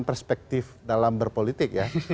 perspektif dalam berpolitik ya